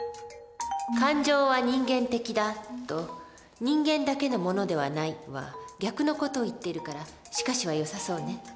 「感情は人間的だ」と「人間だけのものではない」は逆の事を言っているから「しかし」はよさそうね。